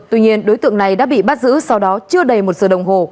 tuy nhiên đối tượng này đã bị bắt giữ sau đó chưa đầy một giờ đồng hồ